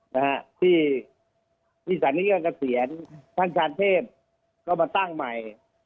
นะฮะที่ที่สถานีการเกษียณท่านชาญเทพก็มาตั้งใหม่